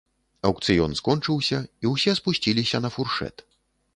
Аўкцыён скончыўся, і ўсе спусціліся на фуршэт.